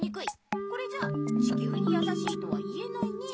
これじゃ「地きゅうにやさしい」とは言えないね。